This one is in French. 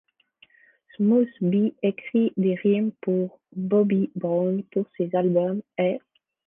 Smooth B écrit des rimes pour Bobby Brown pour ses albums ' et '.